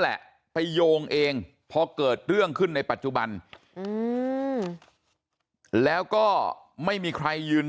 แหละไปโยงเองพอเกิดเรื่องขึ้นในปัจจุบันแล้วก็ไม่มีใครยืน